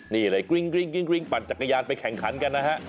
นี่เลยกริ้งปั่นจักรยานไปแข่งขันกันนะฮะ